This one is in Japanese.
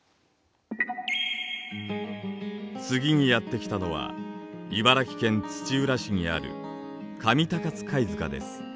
次にやって来たのは茨城県土浦市にある上高津貝塚です。